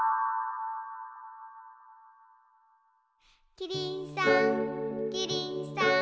キリンさんキリンさん